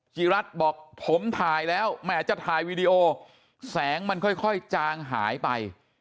จีรัฐบอกผมถ่ายแล้วแหมจะถ่ายวีดีโอแสงมันค่อยจางหายไป